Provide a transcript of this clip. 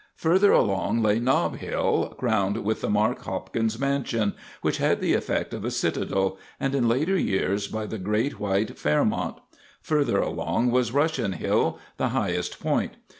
Further along lay Nob Hill, crowned with the Mark Hopkins mansion, which had the effect of a citadel, and in later years by the great, white Fairmount. Further along was Russian Hill, the highest point.